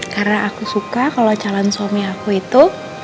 karena aku suka kalau calon suami aku itu